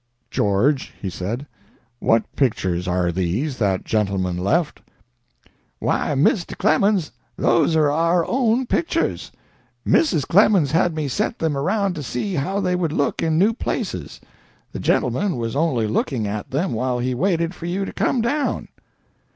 "George," he said, "what pictures are these that gentleman left?" "Why, Mr. Clemens, those are our own pictures! Mrs. Clemens had me set them around to see how they would look in new places. The gentleman was only looking at them while he waited for you to come down."